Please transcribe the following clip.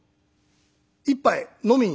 「一杯飲みに」。